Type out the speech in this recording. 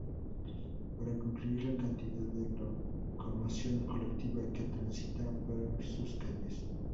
Para concluir, la cantidad de locomoción colectiva que transita por sus calles.